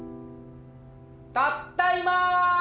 ・たっだいま！